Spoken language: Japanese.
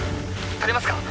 足りますか？